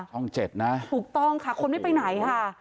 ช่อง๗นะถูกต้องค่ะคนไม่ไปไหนค่ะ